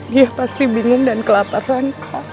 dia pasti bingung dan kelaparan